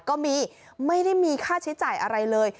ก็มีไม่ได้มีค่าใช้จ่ายอะไรเลย